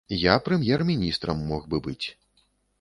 Я прэм'ер-міністрам мог бы быць.